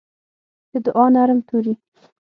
د دوعا نرم توري